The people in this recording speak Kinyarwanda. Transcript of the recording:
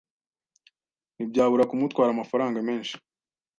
ntibyabura kumutwara amafaranga menshi